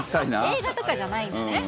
映画とかじゃないんだね。